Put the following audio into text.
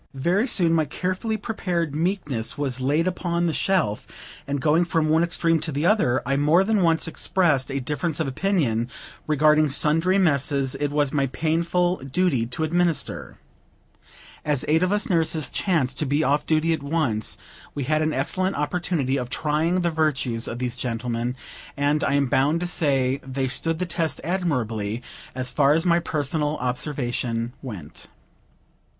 Very soon my carefully prepared meekness was laid upon the shelf; and, going from one extreme to the other, I more than once expressed a difference of opinion regarding sundry messes it was my painful duty to administer. As eight of us nurses chanced to be off duty at once, we had an excellent opportunity of trying the virtues of these gentlemen; and I am bound to say they stood the test admirably, as far as my personal observation went.